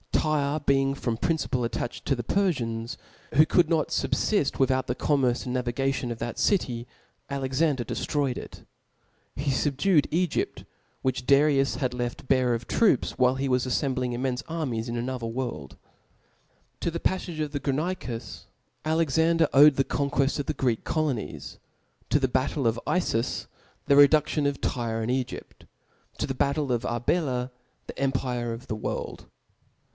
Tyre being from principle attached to the Perfians, who could not fubfift without the commerce and navi gation of that city ; Alexander deftroyed it. He labdued Egypt, which Darius had left bare of croc^,. while b| .^as afifembling imqienfe armies in another worljE^ . To the pafi^e of the Grani(;us Alexander owejd the conqueft of the Greek colonies , to the battle Pa of 212 THE SPIRIT B o o K of Iflus the redudion of Tyre and Egyf^t 5 to the Chap.'i+. battle of Arbela, the empire of the world.